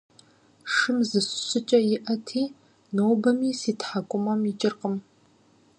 Шым зы щыщыкӀэрэ иӀэти, нобэми си тхьэкӀумэм икӀыркъым…